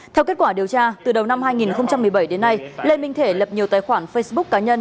theo kết quả điều tra từ đầu năm hai nghìn một mươi bảy đến nay lê minh thể lập nhiều tài khoản facebook cá nhân